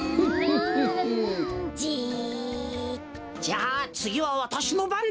じゃあつぎはわたしのばんだ。